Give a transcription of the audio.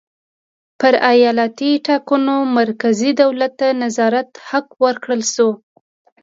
پر ایالتي ټاکنو مرکزي دولت ته د نظارت حق ورکړل شو.